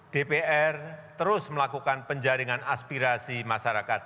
dpr terus melakukan penjaringan aspirasi masyarakat